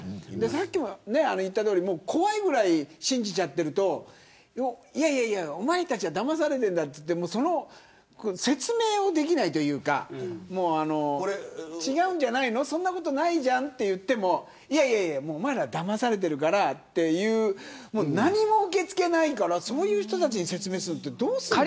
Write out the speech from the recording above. さっきも言ったとおり怖いぐらい信じちゃっているとおまえたちはだまされているんだって説明ができないというか違うんじゃないのと言ってもおまえら、だまされているからと何も受け付けないからそういう人たちに説明するのってどうするのかな。